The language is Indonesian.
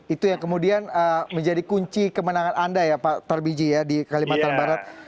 itu yang kemudian menjadi kunci kemenangan anda ya pak tarbiji ya di kalimantan barat